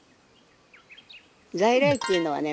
在来っていうのはね